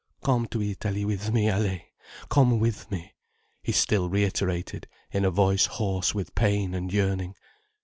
"Come to Italy with me, Allaye. Come with me," he still reiterated, in a voice hoarse with pain and yearning.